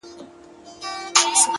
په خندا پاڅي په ژړا يې اختتام دی پيره ـ